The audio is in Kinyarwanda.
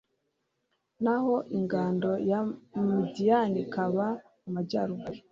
naho ingando ya madiyani ikaba mu majyaruguru